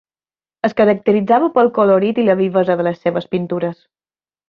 Es caracteritzava pel colorit i la vivesa de les seves pintures.